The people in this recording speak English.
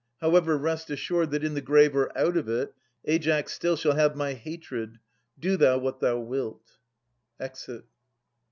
However, rest assured That in the grave or out of it, Aias still Shall have my hatred. Do thou what thou wilt. [Exit.